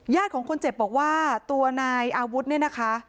ของคนเจ็บบอกว่าตัวนายอาวุธเนี่ยนะคะ